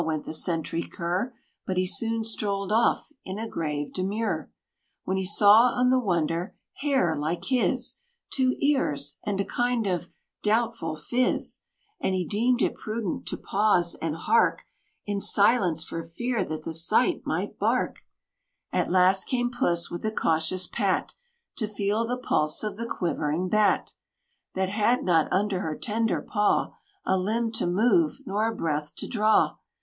went the sentry Cur; But he soon strolled off in a grave demur, When he saw on the wonder, hair, like his, Two ears, and a kind of doubtful phiz; And he deemed it prudent to pause, and hark In silence, for fear that the sight might bark! At last came Puss, with a cautious pat To feel the pulse of the quivering Bat, That had not, under her tender paw, A limb to move, nor a breath to draw!